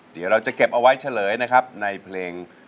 เดี๋ยวเราจะเก็บเอาไว้เฉลยนะครับในเพลง